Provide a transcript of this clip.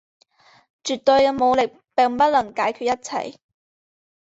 绝对的武力并不能解决一切。